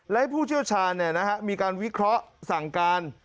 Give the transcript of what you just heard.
และให้ผู้เชี่ยวชาญมีการวิเคราะห์สั่งการ